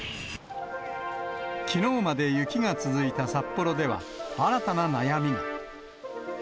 きのうまで雪が続いた札幌では、新たな悩みが。